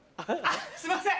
すいません